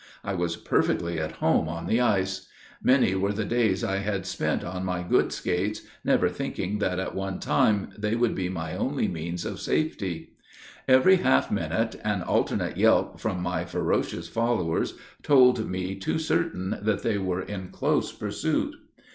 I was perfectly at home on the ice. Many were the days that I had spent on my good skates, never thinking that at one time they would be my only means of safety. Every half minute, an alternate yelp from my ferocious followers, told me too certain that they were in close pursuit.